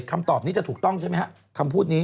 คำตอบนี้จะถูกต้องใช่ไหมครับคำพูดนี้